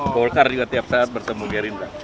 golkar juga tiap saat bertemu gerindra